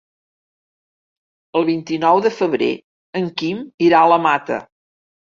El vint-i-nou de febrer en Quim irà a la Mata.